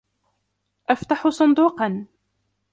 أفتح صندوقاً.